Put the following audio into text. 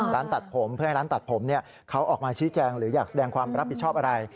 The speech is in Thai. ร้านตัดผมเพื่อให้ร้านตัดผมเขาออกมาชี้แจงหรืออยากแสดงความรับผิดชอบอะไร